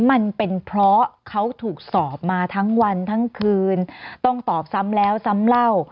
มันเป็นเพราะเขาถูกสอบมาทั้งวันทั้งคืนต้องตอบซ้ำแล้วซ้ำเล่า